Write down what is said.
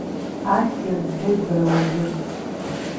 Ассир бҳәеит бара уажәы!